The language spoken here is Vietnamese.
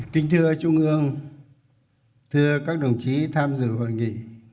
kính thưa trung ương thưa các đồng chí tham dự hội nghị